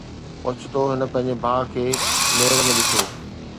اوچتو هن پنهنجي ڀاءُ کي ميڙ ۾ ڏٺو